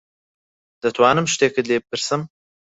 دەتوانم شتێکت لێ بپرسم؟